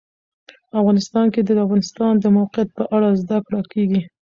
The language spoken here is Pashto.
افغانستان کې د د افغانستان د موقعیت په اړه زده کړه کېږي.